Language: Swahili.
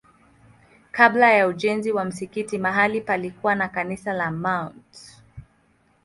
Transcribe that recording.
Kabla ya ujenzi wa msikiti mahali palikuwa na kanisa la Mt.